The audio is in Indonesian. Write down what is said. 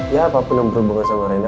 ya apapun yang berhubungan sama rena